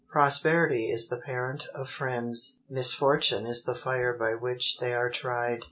_ "Prosperity is the parent of friends; misfortune is the fire by which they are tried."